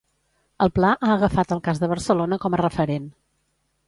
El pla ha agafat el cas de Barcelona com a referent.